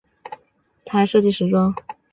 她还设计时装。